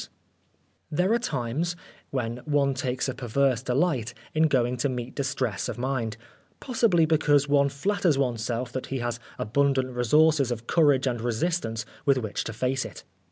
Oscar Wilde There are times, when one takes a perverse delight in going to meet distress of mind, possibly because one flatters oneself that he has abundant resources of courage and resistance with which to face it.